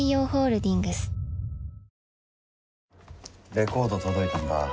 レコード届いたんだ